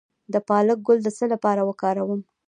د پالک ګل د څه لپاره وکاروم؟